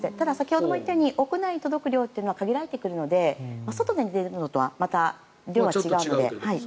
ただ、先ほども言ったように屋内に届く量は限られているので外で浴びるのとはまた量が違うので。